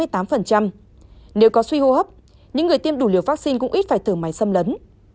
trên tám mươi tám nếu có suy hô hấp những người tiêm đủ liều vaccine cũng ít phải thử máy xâm lấn